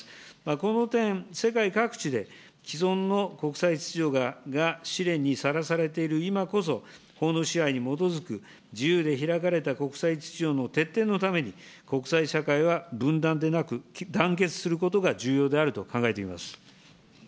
この点、世界各地で、既存の国際秩序が試練にさらされている今だからこそ、法の支配に基づく、自由で開かれた国際秩序の徹底のために、国際社会が分断でなく、団結することが重要であると考えています。